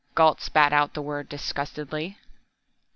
Gault spat out the word disgustedly.